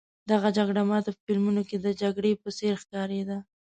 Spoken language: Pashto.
دغه جګړه ما ته په فلمونو کې د جګړې په څېر ښکارېده.